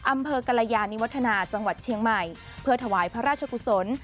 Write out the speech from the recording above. กรยานิวัฒนาจังหวัดเชียงใหม่เพื่อถวายพระราชกุศล